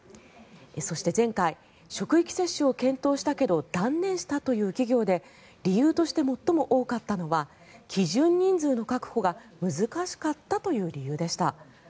そして前回、職域接種を検討したけど断念したという企業で理由として最も多かったのは基準人数の確保が難しかったという理由でした。